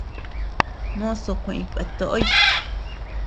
Mozo kueʼeñ kueatoʼoy.